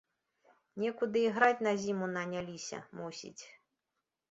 Некуды іграць на зіму наняліся, мусіць.